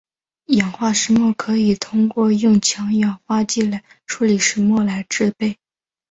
氧化石墨可以通过用强氧化剂来处理石墨来制备。